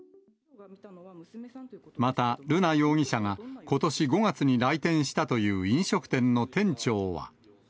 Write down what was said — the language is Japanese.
また、瑠奈容疑者がことし５月に来店したという飲食店の店長は。